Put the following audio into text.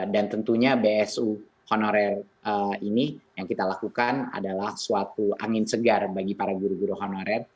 dan tentunya bsu honorarium ini yang kita lakukan adalah suatu angin segar bagi guru guru honorarium